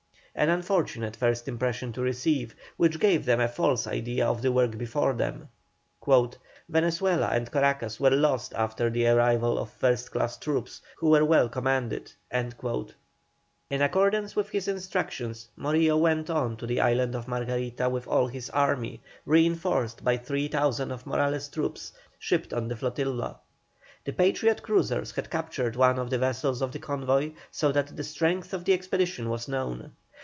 An unfortunate first impression to receive, which gave them a false idea of the work before them. "Venezuela and Caracas were lost after the arrival of first class troops, who were well commanded." In accordance with his instructions, Morillo went on to the island of Margarita with all his army, reinforced by three thousand of Morales' troops, shipped on the flotilla. The Patriot cruisers had captured one of the vessels of the convoy, so that the strength of the expedition was known.